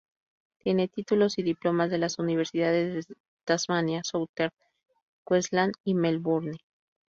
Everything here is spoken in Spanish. Tiene títulos y diplomas de las universidades de Tasmania, Southern Queensland y Melbourne.